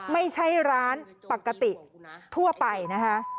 ไม่ใช่ร้านปกติทั่วไปนะคะ